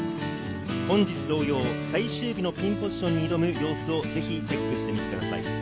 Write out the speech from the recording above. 本日同様、最終日のピンポジションに挑む様子をぜひチェックしてみてください。